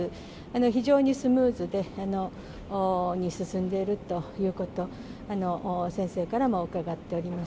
非常にスムーズに進んでいるということ、先生からも伺っております。